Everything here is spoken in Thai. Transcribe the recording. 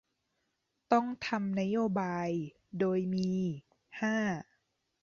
ต้องทำนโยบาย โดยมี ห้า